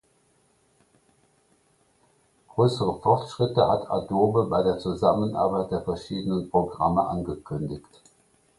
Größere Fortschritte hat Adobe bei der Zusammenarbeit der verschiedenen Programme angekündigt.